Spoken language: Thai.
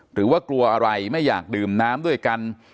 หรือว่ากลัวอะไรไม่อยากดื่มน้ำด้วยกัน